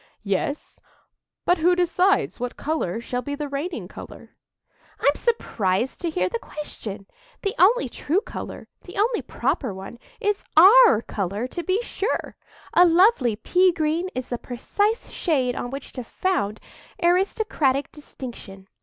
"Yes; but who decides what colour shall be the reigning colour?" "I'm surprised to hear the question! The only true colour—the only proper one—is our colour, to be sure. A lovely pea green is the precise shade on which to found aristocratic distinction.